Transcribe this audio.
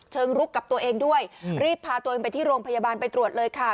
ลุกกับตัวเองด้วยรีบพาตัวเองไปที่โรงพยาบาลไปตรวจเลยค่ะ